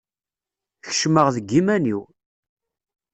Kecmeɣ deg iman-iw.